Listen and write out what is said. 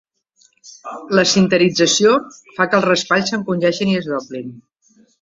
La sinterització fa que els raspalls s'encongeixin i es doblin.